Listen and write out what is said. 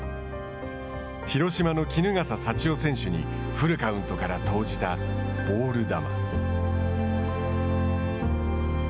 広島の衣笠祥雄選手にフルカウントから投じたボール球。